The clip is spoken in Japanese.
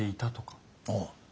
ああ。